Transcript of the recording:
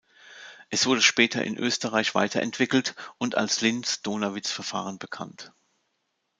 Es wurde später in Österreich weiterentwickelt und als Linz-Donawitz-Verfahren bekannt.